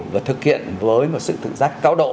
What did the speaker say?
và thực hiện với một sự tự giác cao độ